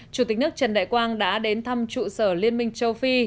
chủ tịch nước trần đại quang đã đến thăm trụ sở liên minh châu phi